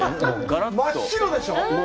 真っ白でしょう？